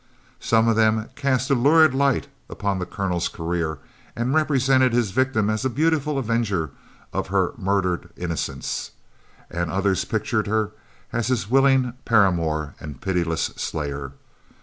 Some of them cast a lurid light upon the Colonel's career, and represented his victim as a beautiful avenger of her murdered innocence; and others pictured her as his willing paramour and pitiless slayer.